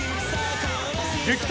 ［激闘！